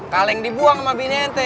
kaleng dibuang sama bini ente